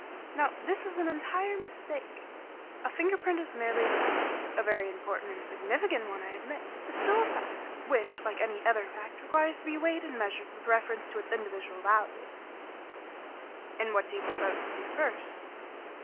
Now, this is an entire mistake. A finger print is merely a fact a very important and significant one, I admit but still a fact, which, like any other fact, requires to be weighed and measured with reference to its evidential value." "And what do you propose to do first?"